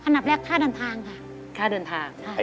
หนับแรกค่าเดินทางค่ะ